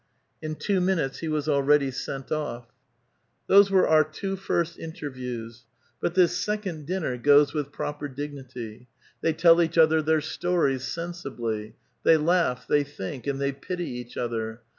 In two minutes he was already sent off. Those were our two first interviews. But this second A VITAL QUESTION. 345 dinner goes with proper dignity. Tlioy tell each other their stories sensibly ; they laugh, they think, and they pity each other.